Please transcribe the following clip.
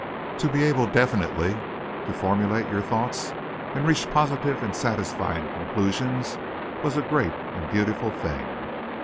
To be able definitely to formulate your thoughts and reach positive and satisfying conclusions was a great and beautiful thing.